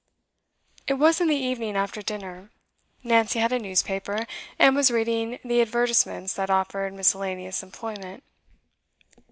It was in the evening, after dinner. Nancy had a newspaper, and was reading the advertisements that offered miscellaneous employment.